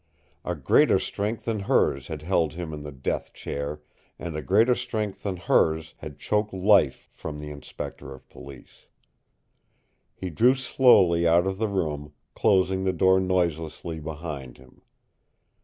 A greater strength than hers had held him in the death chair, and a greater strength than hers had choked life from the Inspector of Police! He drew slowly out of the room, closing the door noiselessly behind him.